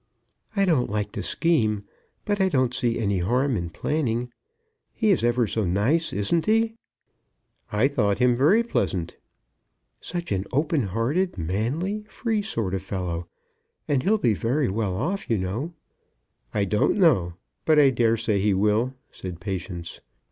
"I don't like to scheme, but I don't see any harm in planning. He is ever so nice, isn't he?" "I thought him very pleasant." "Such an open spoken, manly, free sort of fellow. And he'll be very well off, you know." "I don't know; but I dare say he will," said Patience.